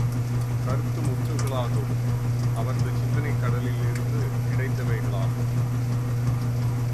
கருத்து முத்துகளாகவும் அவரது சிந்தனைக் கடலிலிருந்து கிடைத்தவைகளாகும்!